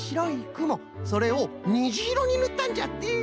それをにじいろにぬったんじゃって。